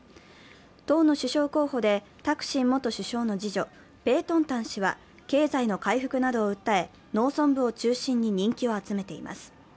党の首相候補でタクシン元首相の次女、ペートンタン氏は経済回復などを訴え農村部を中心に人気を集めています。